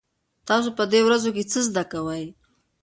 تاسو په دې ورځو کې څه زده کوئ؟